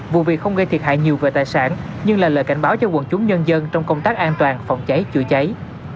vụ việc không gây thiệt hại nhiều về tài sản nhưng là lời cảnh báo cho quần chúng nhân dân trong công tác an toàn phòng cháy chữa cháy